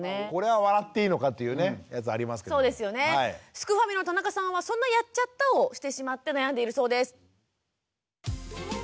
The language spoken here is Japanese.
すくファミの田中さんはそんな「やっちゃった！」をしてしまって悩んでいるそうです。